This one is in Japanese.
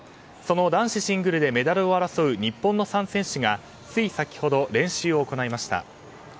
その男子シングルでメダルを争う日本の３選手がつい先ほど、練習を行いました。